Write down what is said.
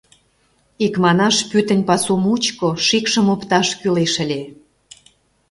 Икманаш, пӱтынь пасу мучко шикшым опташ кӱлеш ыле.